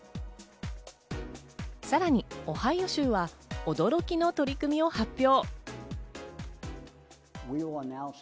さらにオハイオ州は驚きの取り組みを発表。